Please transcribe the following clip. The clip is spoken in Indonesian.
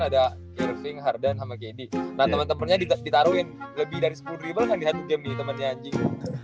jadi kan nets kan ada irving harden sama gedi nah temen temennya ditaruhin lebih dari sepuluh dribble kan di satu game nih temennya anjing